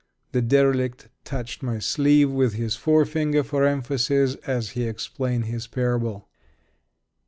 The derelict touched my sleeve with his forefinger, for emphasis, as he explained his parable.